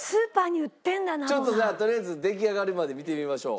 ちょっとじゃあとりあえず出来上がりまで見てみましょう。